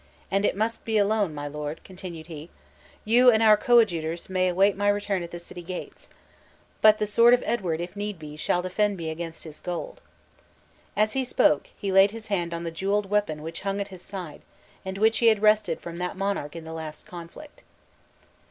And it must be alone, my lord," continued he; "you, and our coadjutors, may wait my return at the city gates; but the sword of Edward, if need be, shall defend me against his gold." As he spoke, he laid his hand on the jeweled weapon which hung at his side, and which he had wrested from that monarch in the last conflict.